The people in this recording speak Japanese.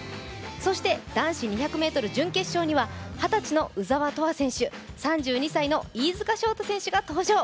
そして男子２００ｍ準決勝には二十歳の鵜澤飛羽選手３２歳の飯塚翔太選手が登場。